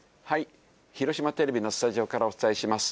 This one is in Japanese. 広島テレビのスタジオからお伝えします。